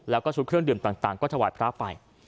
แล้วก็ชุดเครื่องดื่มต่างก็ถวายพระไป